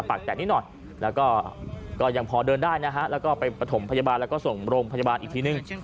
ปากแตกนิดหน่อยแล้วก็ก็ยังพอเดินได้นะฮะแล้วก็ไปประถมพยาบาลแล้วก็ส่งโรงพยาบาลอีกทีนึง